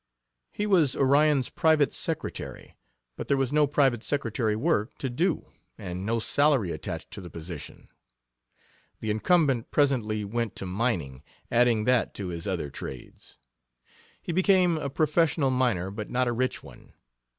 He was Orion's private secretary, but there was no private secretary work to do, and no salary attached to the position. The incumbent presently went to mining, adding that to his other trades. He became a professional miner, but not a rich one.